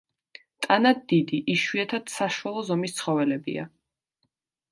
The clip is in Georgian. ტანად დიდი, იშვიათად საშუალო ზომის ცხოველებია.